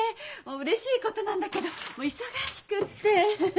うれしいことなんだけど忙しくって。